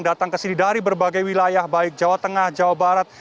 datang ke sini dari berbagai wilayah baik jawa tengah jawa barat